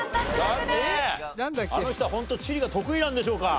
あの人はホント地理が得意なんでしょうか？